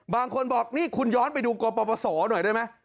บางคนบอกนี่คุณย้อนไปดูกปศหน่อยได้ไหม